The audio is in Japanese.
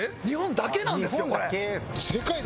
日本だけなんですよこれ。